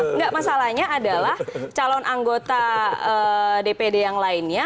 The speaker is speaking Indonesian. enggak masalahnya adalah calon anggota dpd yang lainnya